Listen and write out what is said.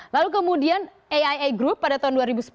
lalu kemudian aia group pada tahun dua ribu sepuluh